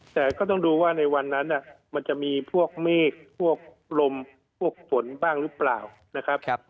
แต่ก็ต้องดูว่าในวันนั้นมันจะมีพวกเมฆพวกลมพวกฝนบ้างหรือเปล่านะครับ